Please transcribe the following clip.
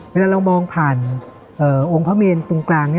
เวลาเรามองผ่านองค์พระเมนตรงกลาง